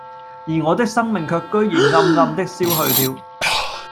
而我的生命卻居然暗暗的消去了，